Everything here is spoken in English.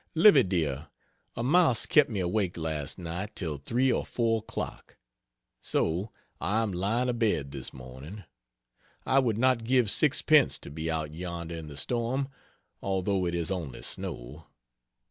Livy dear, a mouse kept me awake last night till 3 or 4 o'clock so I am lying abed this morning. I would not give sixpence to be out yonder in the storm, although it is only snow.